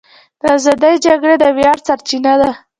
د ازادۍ جګړې د ویاړ سرچینه ده.